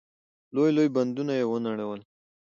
لوی لوی بندونه يې ونړول.